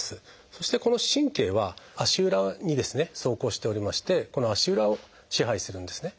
そしてこの神経は足裏にですね走行しておりましてこの足裏を支配するんですね。